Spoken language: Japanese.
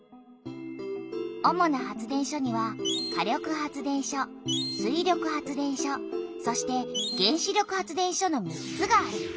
主な発電所には火力発電所水力発電所そして原子力発電所の３つがある。